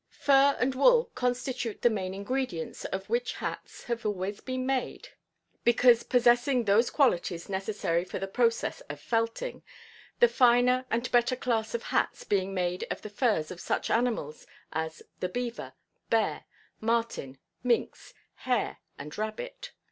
Fur and wool constitute the main ingredients of which hats have always been made, because possessing those qualities necessary for the process of "felting," the finer and better class of hats being made of the furs of such animals as the beaver, bear, marten, minx, hare and rabbit.